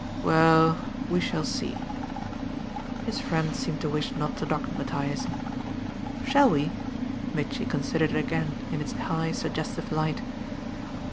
"Well, we shall see." His friend seemed to wish not to dogmatise. "SHALL we?" Mitchy considered it again in its high suggestive light.